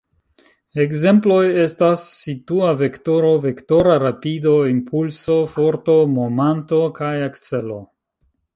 Ekzemploj estas situa vektoro, vektora rapido, impulso, forto, momanto kaj akcelo.